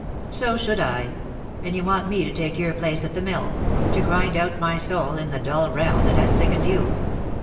"So should I — and you want me to take your place at the mill; to grind out my soul in the dull round that has sickened you."